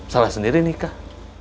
salah sendiri nikah